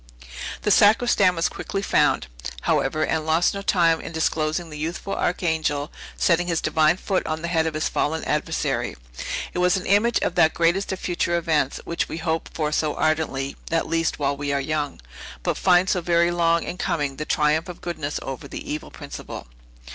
The sacristan was quickly found, however, and lost no time in disclosing the youthful Archangel, setting his divine foot on the head of his fallen adversary. It was an image of that greatest of future events, which we hope for so ardently, at least, while we are young, but find so very long in coming, the triumph of goodness over the evil principle.